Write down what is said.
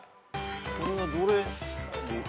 これはどれ。